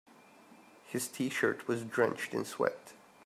His t-shirt was drenched in sweat.